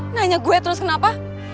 nanya gue terus kenapa